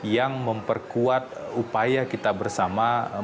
yang memperkuat upaya kita bersama